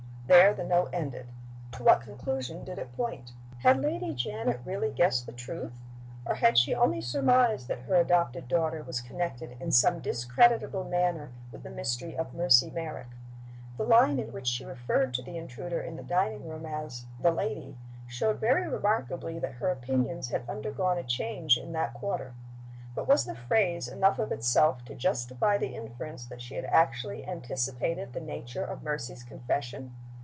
There the note ended. To what conclusion did it point? Had Lady Janet really guessed the truth? or had she only surmised that her adopted daughter was connected in some discreditable manner with the mystery of "Mercy Merrick"? The line in which she referred to the intruder in the dining room as "the lady" showed very remarkably that her opinions had undergone a change in that quarter. But was the phrase enough of itself to justify the inference that she had actually anticipated the nature of Mercy's confession?